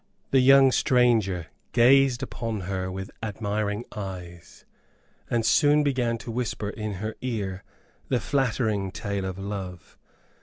The young stranger gazed upon her with admiring eyes, and soon began to whisper in her ear the flattering tale of love.